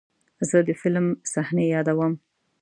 زه د فلم صحنې یادوم.